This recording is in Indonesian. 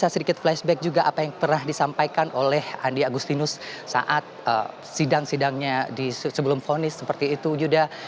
sedikit flashback juga apa yang pernah disampaikan oleh andi agustinus saat sidang sidangnya sebelum vonis seperti itu yuda